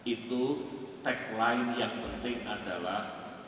itu tagline yang penting adalah